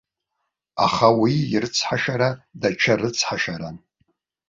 Аха уи ирыцҳашьара даҽа рыцҳашьаран.